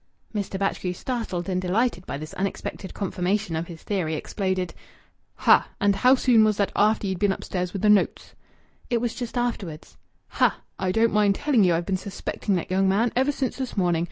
Mr. Batchgrew, startled and delighted by this unexpected confirmation of his theory, exploded "Ha!... And how soon was that after ye'd been upstairs with the notes?" "It was just afterwards." "Ha!... I don't mind telling ye I've been suspecting that young man ever since this morning.